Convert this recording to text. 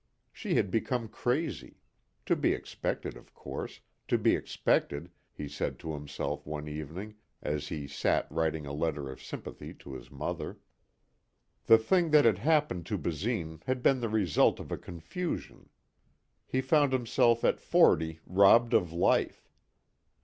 She had become crazy. To be expected, of course, to be expected, he said to himself one evening as he sat writing a letter of sympathy to his mother. The thing that had happened to Basine had been the result of a confusion. He found himself at forty robbed of life.